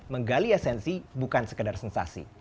menggali esensi bukan sekedar sensasi